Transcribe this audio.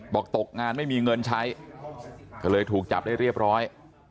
ตกงานไม่มีเงินใช้ก็เลยถูกจับได้เรียบร้อย